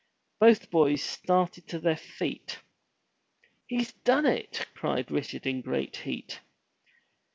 Both boys started to their feet. "He's done it!*' cried Richard in great heat.